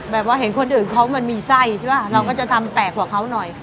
ว่าเห็นคนอื่นเขามันมีไส้ใช่ป่ะเราก็จะทำแปลกกว่าเขาหน่อย